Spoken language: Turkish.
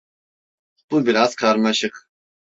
Bu biraz karmaşık.